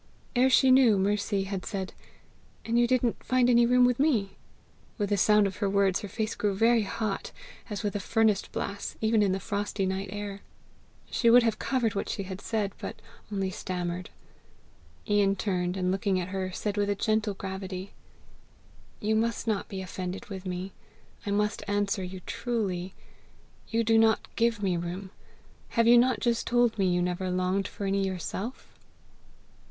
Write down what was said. Ere she knew, Mercy had said "And you didn't find any room with me?" With the sound of her words her face grew hot, as with a furnace blast, even in the frosty night air. She would have covered what she had said, but only stammered. Ian turned, and looking at her, said with a gentle gravity "You must not be offended with me! I must answer you truly. You do not give me room: have you not just told me you never longed for any yourself?"